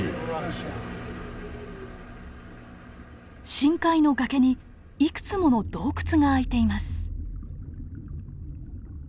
深海の崖にいくつもの洞窟があいています。